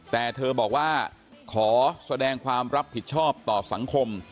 แต่เธอบอกว่าขอแสดงความรับผิดชอบต่อสังคม